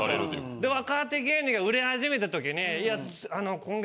で若手芸人が売れ始めたときに。